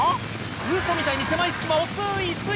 ウソみたいに狭い隙間をスイスイ！